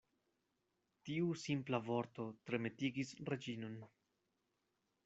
Tiu simpla vorto tremetigis Reĝinon.